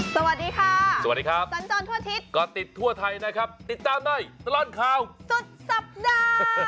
สวัสดีค่ะสวัสดีครับสัญจรทั่วอาทิตย์ก็ติดทั่วไทยนะครับติดตามในตลอดข่าวสุดสัปดาห์